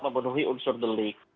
memenuhi unsur delik